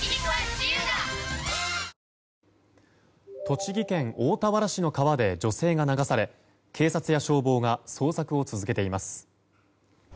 栃木県大田原市の川で女性が流され警察や消防が捜索を続けています。